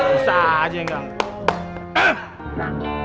bisa aja enggak